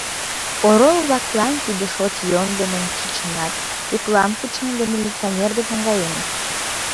Орол-влаклан тиде шот йӧндымын чучынат, Пӧклам кученыт да милиционер дек наҥгаеныт.